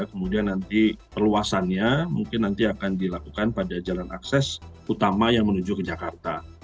kemudian nanti perluasannya mungkin nanti akan dilakukan pada jalan akses utama yang menuju ke jakarta